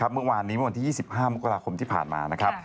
เมื่อวานนี้เมื่อวันที่๒๕มุโรคาคมที่ผ่านมา